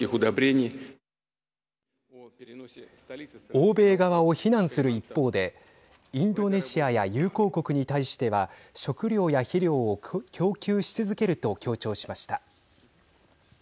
欧米側を非難する一方でインドネシアや友好国に対しては食料や肥料を供給し続けると強調しました。